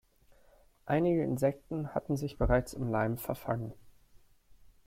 Einige Insekten hatten sich bereits im Leim verfangen.